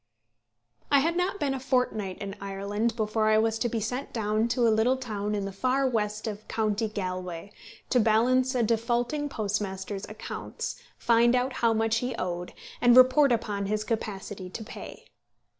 I had not been a fortnight in Ireland before I was sent down to a little town in the far west of county Galway, to balance a defaulting postmaster's accounts, find out how much he owed, and report upon his capacity to pay.